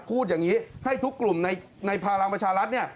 พูดอย่างนี้ให้ทุกกลุ่มในพลังประชารัฐเนี่ย